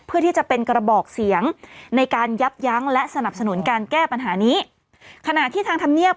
เสร็จเรียบร้อยแล้วก็คือดีขึ้นแล้ว